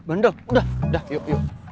bandel udah udah yuk yuk